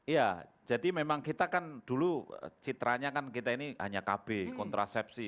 ya jadi memang kita kan dulu citranya kan kita ini hanya kb kontrasepsi